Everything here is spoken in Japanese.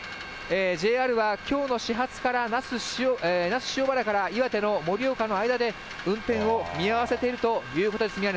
ＪＲはきょうの始発から那須塩原から岩手の盛岡の間で運転を見合わせているということです。